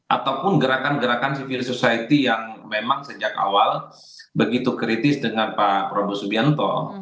ataupun gerakan gerakan civil society yang memang sejak awal begitu kritis dengan pak prabowo subianto